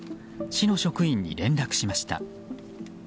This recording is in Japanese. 市の職員に連絡しました。